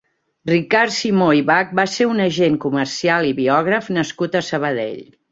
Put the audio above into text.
Ricard Simó i Bach va ser un agent comercial i biògraf nascut a Sabadell.